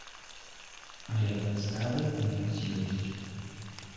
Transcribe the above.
Але падставы ў нас ёсць.